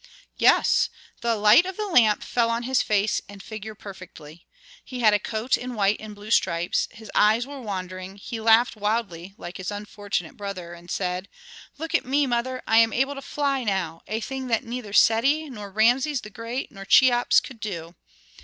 "Yes. The light of the lamp fell on his face and figure perfectly. He had a coat in white and blue stripes, his eyes were wandering he laughed wildly, like his unfortunate brother, and said, 'Look at me, mother, I am able to fly now, a thing that neither Seti, nor Rameses the Great, nor Cheops could do.